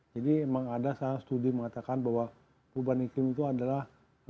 jadi memang ada salah satu studi mengatakan bahwa perubahan iklim itu adalah